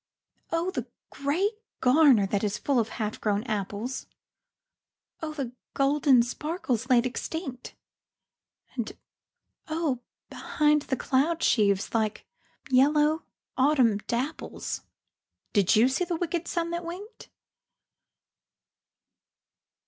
Oh, the grey garner that is full of half grown apples, Oh, the golden sparkles laid extinct ! And oh, behind the cloud sheaves, like yellow autumn dapples, Did you see the wicked sun that winked?